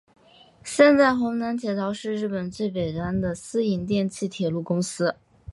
现在弘南铁道是日本最北端的私营电气铁路公司。